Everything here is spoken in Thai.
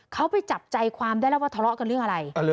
เขาไปจับใจความได้แล้วว่าทะเลาะกันเรื่องอะไร